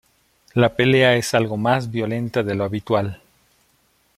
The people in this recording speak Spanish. La pelea es algo más violenta de lo habitual.